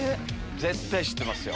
絶対知ってますよ。